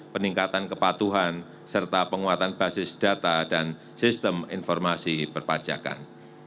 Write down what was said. peningkatan kepatuhan serta penguatan basis data dan sistem informasi perpajakan